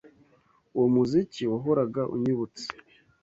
Uwo muziki wahoraga unyibutsa.